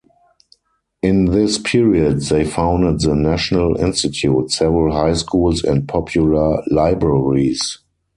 In this period, they founded the National Institute, several high schools and popular libraries.